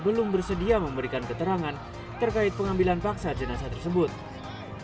belum bersedia memberikan keterangan terkait pengambilan paksa jenazah tersebut